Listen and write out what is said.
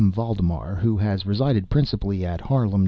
Valdemar, who has resided principally at Harlem, N.